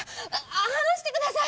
離してください！